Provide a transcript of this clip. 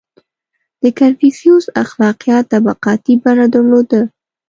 • د کنفوسیوس اخلاقیات طبقاتي بڼه درلوده.